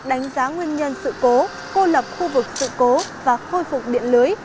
đánh giá nguyên nhân sự cố cô lập khu vực sự cố và khôi phục điện lưới